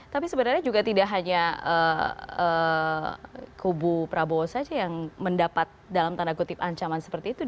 tapi sebenarnya juga tidak hanya kubu prabowo saja yang mendapat dalam tanda kutip ancaman seperti itu